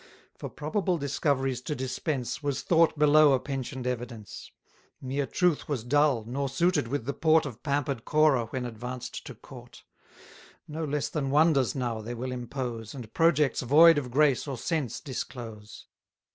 For probable discoveries to dispense, Was thought below a pension'd evidence; Mere truth was dull, nor suited with the port Of pamper'd Corah when advanced to court. No less than wonders now they will impose, And projects void of grace or sense disclose.